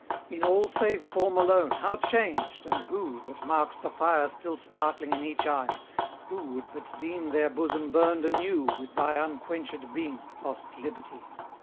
In all save form alone, how changed! and who That marks the fire still sparkling in each eye, Who would but deem their bosom burned anew With thy unquenched beam, lost Liberty!